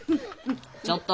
ちょっと。